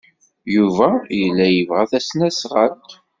Yuba yella yebɣa tasnasɣalt.